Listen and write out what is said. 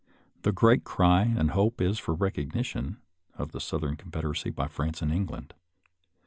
The great cry and hope is for recognition of the Southern Con federacy by France and England.